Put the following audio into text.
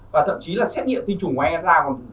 và thậm chí là xét nghiệm tinh trùng của anh ta